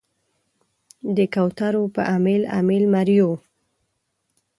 د کوترو په امیل، امیل مریو